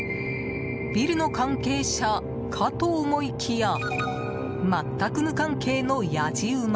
ビルの関係者かと思いきや全く無関係のやじ馬。